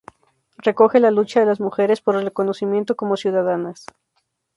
Recoge la lucha de las mujeres por el reconocimiento como ciudadanas.